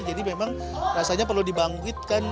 jadi memang rasanya perlu dibangkitkan